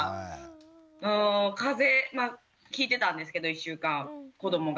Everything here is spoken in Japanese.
風邪ひいてたんですけど１週間子どもが。